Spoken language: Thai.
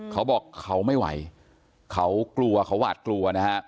เขาบอกเขาไม่ไหวเขากลัวเขาหวาดกลัวนะฮะ